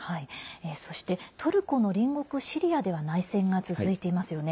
そしてトルコの隣国シリアでは内戦が続いていますよね。